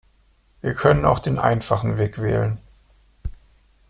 Wir können auch den einfachen Weg wählen.